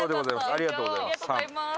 ありがとうございます。